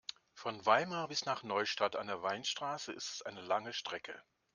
Von Weimar bis nach Neustadt an der Weinstraße ist es eine lange Strecke